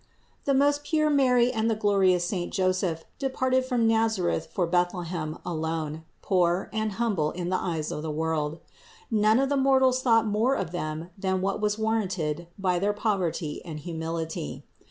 456. The most pure Mary and the glorious saint Joseph departed from Nazareth for1 Bethlehem alone, poor and humble in the eyes of the world. None of the mortals thought more of them than what was warranted by their poverty and humility.